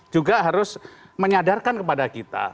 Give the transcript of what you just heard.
juga harus menyadarkan kepada kita